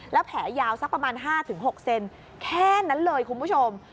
แล้วแผลยาวสักประมาณ๕๖เซนแค่นั้นเลยคุณผู้ชม